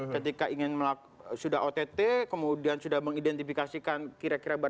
ketika ingin melakukan sudah ott kemudian sudah mengidentifikasikan kira kira barang barang